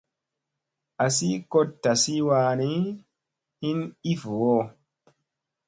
Azi kot tazi wani, hin i voo.